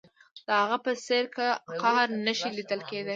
د هغه په څیره کې د قهر نښې لیدل کیدې